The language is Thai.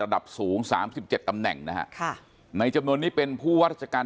ระดับสูงสามสิบเจ็ดตำแหน่งนะฮะค่ะในจำนวนนี้เป็นผู้ว่าราชการ